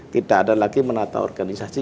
tidak ada lagi menata organisasi